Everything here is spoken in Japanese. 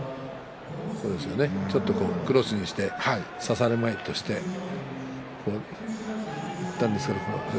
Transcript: ちょっとクロスにして差されまいとしていったんですけれども。